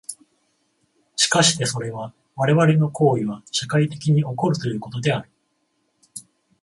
しかしてそれは我々の行為は社会的に起こるということである。